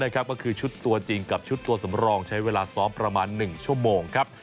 ก็คือชุดตัวจริงกับชุดตัวสำรองใช้เวลาซ้อมประมาณ๑ชั่วโมงครับ